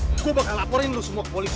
aku bakal laporin lu semua ke polisi